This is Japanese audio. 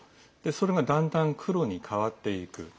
それがだんだん黒に変わっていく。